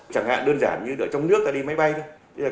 chẳng hạn đơn giản như ở trong nước ta đi máy bay thôi